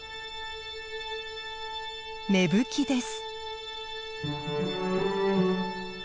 芽吹きです。